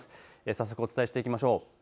早速、お伝えしていきましょう。